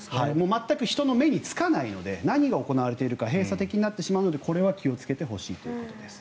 全く人の目につかないので何が行われているのか閉鎖的になってしまうのでこれは気をつけてほしいということです。